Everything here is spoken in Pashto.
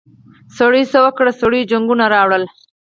سړو څه وکل سړو جنګونه راوړل.